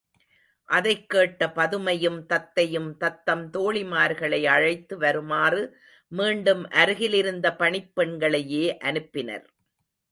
அதைக் கேட்ட பதுமையும் தத்தையும் தத்தம் தோழிமார்களை அழைத்து வருமாறு மீண்டும் அருகிலிருந்த பணிப் பெண்களையே அனுப்பினர்.